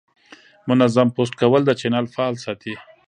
منظم پوسټ کول د چینل فعال ساتي.